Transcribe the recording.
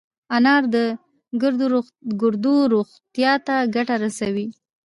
انار د ګردو روغتیا ته ګټه رسوي.